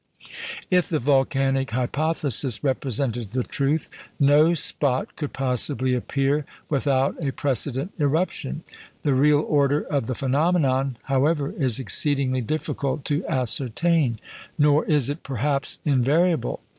If the "volcanic hypothesis" represented the truth, no spot could possibly appear without a precedent eruption. The real order of the phenomenon, however, is exceedingly difficult to ascertain; nor is it perhaps invariable.